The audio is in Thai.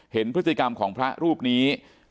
เห็นพฤติกรรมของพระรูปนี้